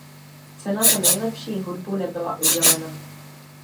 Cena za nejlepší hudbu nebyla udělena.